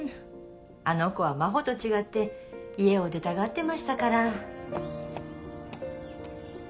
あの子は真帆と違って家を出たがってましたから。